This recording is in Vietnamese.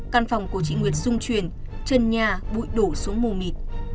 căn phòng của chị nguyệt rung truyền chân nhà bụi đổ xuống mù mịt